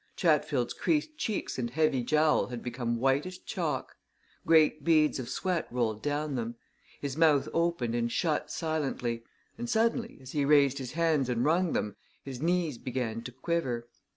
Chatfield's creased cheeks and heavy jowl had become white as chalk; great beads of sweat rolled down them; his mouth opened and shut silently, and suddenly, as he raised his hands and wrung them, his knees began to quiver.